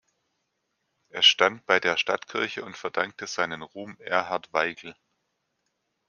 Es stand bei der Stadtkirche und verdankte seinen Ruhm Erhard Weigel.